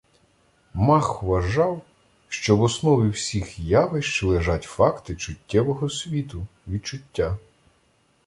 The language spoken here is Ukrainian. Мах вважав, що в основі всіх явищ лежать факти чуттєвого світу, відчуття.